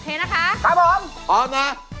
นะคะครับผมพร้อมนะ